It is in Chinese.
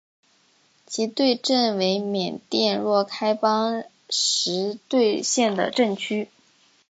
实兑镇为缅甸若开邦实兑县的镇区。